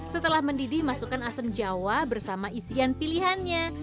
setelah mendidih masukkan asam jawa bersama isian pilihannya